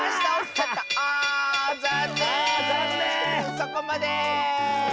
そこまで！